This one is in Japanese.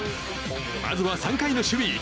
まずは３回の守備。